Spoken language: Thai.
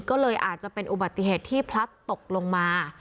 ก็เลยอาจจะเป็นอุบัติเหตุที่พลัดตกลงมา